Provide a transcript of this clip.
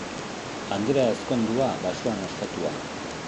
Andre ezkondua, basoan ostatua.